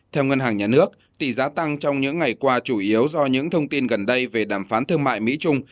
theo ngân hàng nhà nước tỷ giá tăng trong những ngày qua chủ yếu do những thông tin gần đây về đàm phán thương mại mỹ trung